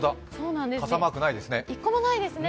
傘マーク一個もないですね。